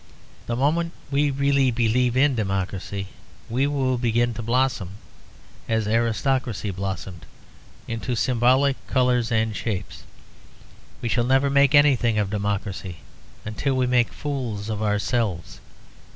The moment we really believe in democracy, it will begin to blossom, as aristocracy blossomed, into symbolic colours and shapes. We shall never make anything of democracy until we make fools of ourselves.